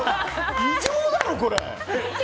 異常だろ、これ。